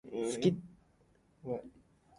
好きと好きは簡単には足し算にはならなかったね。